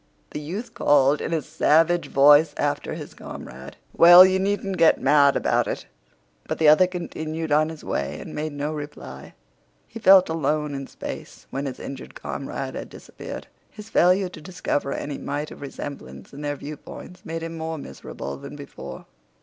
The youth called in a savage voice after his comrade: "Well, you needn't git mad about it!" But the other continued on his way and made no reply. He felt alone in space when his injured comrade had disappeared. His failure to discover any mite of resemblance in their viewpoints made him more miserable than before.